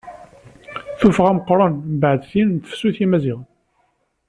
Tuffɣa meqqren mbeɛd tin n Tefsut n yimaziɣen.